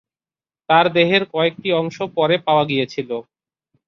তার দেহের শুধুমাত্র কয়েকটি অংশ পরে পাওয়া গিয়েছিল।